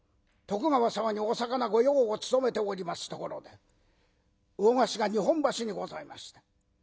徳川様にお魚御用を務めておりますところで魚河岸が日本橋にございました。